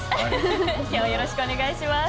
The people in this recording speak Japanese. よろしくお願いします。